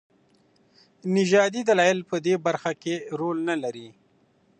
نژادي دلايل په دې برخه کي رول نلري.